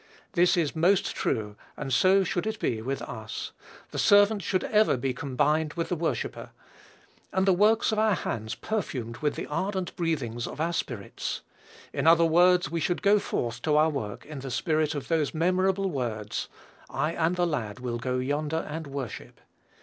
This is most true, and so should it be with us. The servant should ever be combined with the worshipper, and the works of our hands perfumed with the ardent breathings of our spirits. In other words we should go forth to our work in the spirit of those memorable words, "I and the lad will go yonder and worship."